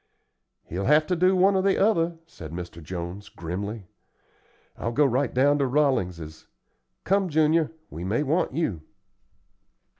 "He'll have to do one or the other," said Mr. Jones, grimly. "I'll go right down to Rolling's. Come, Junior, we may want you."